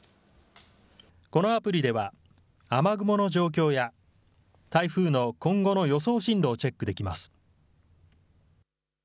このアプリでは、雨雲の状況や台風の今後の予想進路をチェックできます。